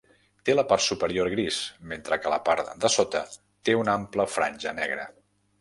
Té la part superior gris, mentre que la part de sota té una ampla franja negra.